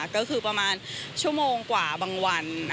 ก็คือประมาณชั่วโมงกว่าบางวัน